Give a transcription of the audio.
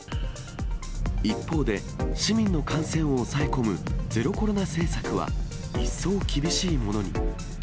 一方で、市民の感染を抑え込むゼロコロナ政策は、一層厳しいものに。